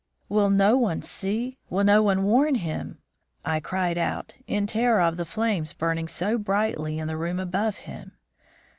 "Will no one see? Will no one warn him?" I cried out, in terror of the flames burning so brightly in the room above him.